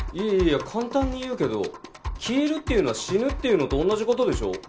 いやいや簡単に言うけど消えるっていうのは死ぬっていうのと同じことでしょ？